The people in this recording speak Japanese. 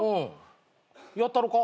やったろか？